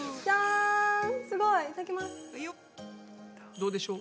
どうでしょう？